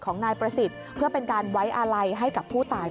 ของนายประสิทธิ์เพื่อเป็นการไว้อาลัยให้กับผู้ตาย